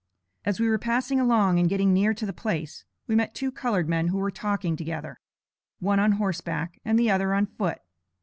As we were passing along, and getting near to the place, we met two colored men who were talking together one on horseback, and the other on foot.